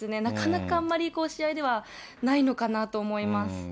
なかなかあんまり試合ではないのかなと思います。